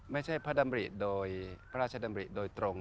ไม่ใช่พระราชดำริโดยตรง